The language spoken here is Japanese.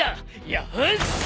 よし！